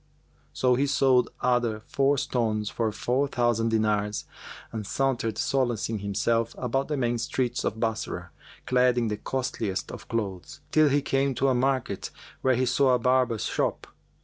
Then he sold other four stones for four thousand dinars and sauntered solacing himself about the main streets of Bassorah, clad in the costliest of clothes; till he came to a market, where he saw a barber's shop.